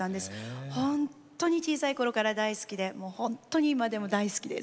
ほんとに小さい頃から大好きでほんとに今でも大好きです。